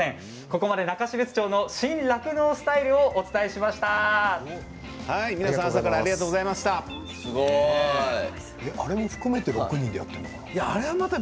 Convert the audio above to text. ここまで中標津の新酪農スタイルをお伝えしました。